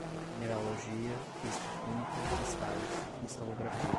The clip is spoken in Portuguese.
mineralogia, físico-química, cristais, cristalografia